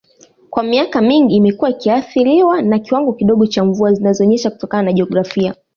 Kwa miaka mingi imekuwa ikiathiriwa na kiwango kidogo cha mvua zinazonyesha kutokana na jiografia